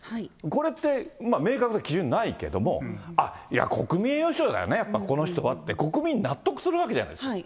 これって、明確な基準ないけど、あっ、やっぱ国民栄誉賞だよね、この人はって、国民納得するわけじゃないですか。